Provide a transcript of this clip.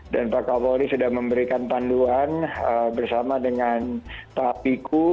dan pak kapolri sudah memberikan panduan bersama dengan pak apiku